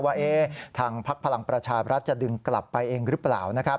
ว่าเอะทางพักพลังประชารัฐจะดึงกลับไปเองหรือเปล่า